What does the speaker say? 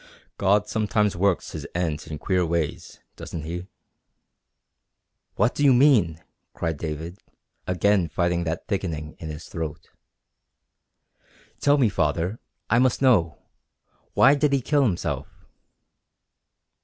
God sometimes works His ends in queer ways, doesn't He?" "What do you mean?" cried David, again fighting that thickening in his throat. "Tell me, Father! I must know. Why did he kill himself?"